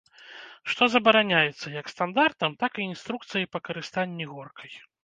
Што забараняецца, як стандартам, так і інструкцыяй па карыстанні горкай.